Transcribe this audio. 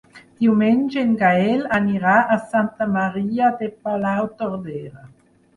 Diumenge en Gaël anirà a Santa Maria de Palautordera.